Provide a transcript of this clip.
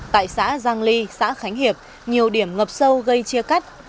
tại xã giang ly xã khánh hiệp nhiều điểm ngập sâu gây chia cắt